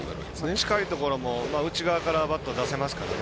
近いところも内側からバット出せますからね。